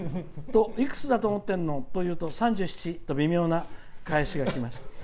いくつだと思ってんの？と言うと３７と微妙な返しがきました。